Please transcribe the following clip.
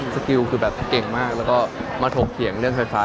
สกิลคือแบบเก่งมากแล้วก็มาถกเถียงเรื่องไฟฟ้า